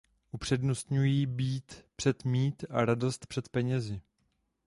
Upřednostňují „být“ před „mít“ a „radost“ před „penězi“.